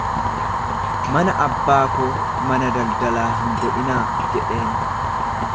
Mana abbaa koo mana daldalaa hin godhinaa jedheen.